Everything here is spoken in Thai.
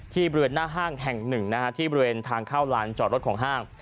บริเวณหน้าห้างแห่งหนึ่งที่บริเวณทางเข้าลานจอดรถของห้าง